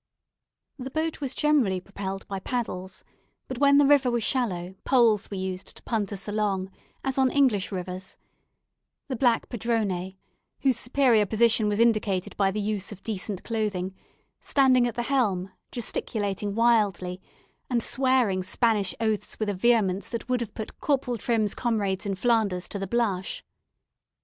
The boat was generally propelled by paddles, but when the river was shallow, poles were used to punt us along, as on English rivers; the black padrone, whose superior position was indicated by the use of decent clothing, standing at the helm, gesticulating wildly, and swearing Spanish oaths with a vehemence that would have put Corporal Trim's comrades in Flanders to the blush.